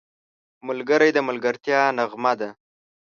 ملګری د ملګرتیا نغمه ده